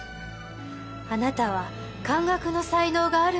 あなたは漢学の才能があるんですもの。